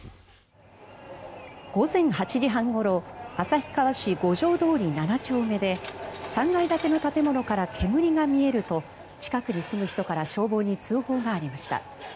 午前８時半ごろ旭川市５条通７丁目で３階建ての建物から煙が見えると近くに住む人から消防に通報がありました。